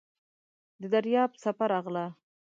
د دریاب څپه راغله .